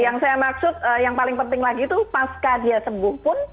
yang saya maksud yang paling penting lagi itu pasca dia sembuh pun